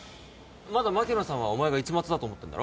まだ牧野さんはお前が市松だと思ってんだろ？